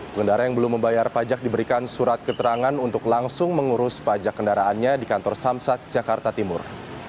pengendara yang belum membayar pajak diberikan surat keterangan untuk langsung mengurus pajak kendaraannya di kantor samsat jakarta timur